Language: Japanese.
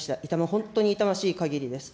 本当に痛ましいかぎりです。